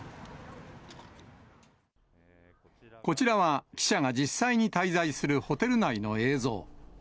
こちらは記者が実際に滞在するホテル内の映像。